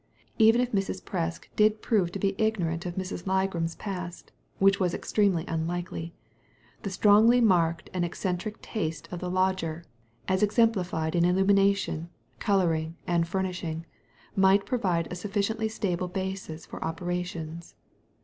Even if Mrs. Presk did prove to be ignorant of Miss Ligram's past — which was extremely unlikely — the strongly marked and eccentric taste of the lodger, as exemplified in illumination, colouring, and furnishing, might provide a sufficiently stable basis for operations.